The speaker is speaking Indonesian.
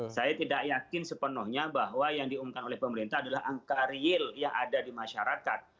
saya tidak yakin sepenuhnya bahwa yang diumumkan oleh pemerintah adalah angka real yang ada di masyarakat